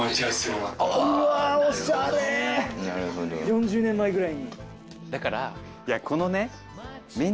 ４０年前ぐらいに。